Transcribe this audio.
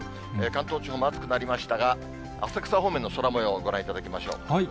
関東地方も暑くなりましたが、浅草方面の空もようをご覧いただきましょう。